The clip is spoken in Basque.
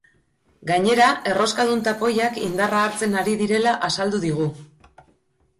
Gainera, erroskadun tapoiak indarra hartzen ari direla azaldu digu.